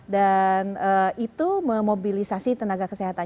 dan itu memobilisasi tenaga kesehatan